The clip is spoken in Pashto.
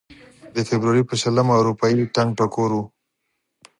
د فبروري په شلمه اروپايي ټنګ ټکور و.